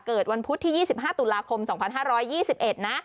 เกิดวันพุธที่๒๕ตุลาคม๒๕๒๑นะ